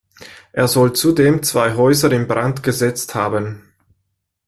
Er soll zudem zwei Häuser in Brand gesetzt haben.